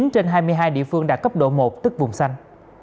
chín trên hai mươi hai địa phương đạt cấp độ một tức vùng xanh